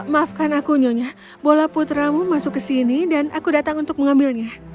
maafkan aku nyonya bola putramu masuk ke sini dan aku datang untuk mengambilnya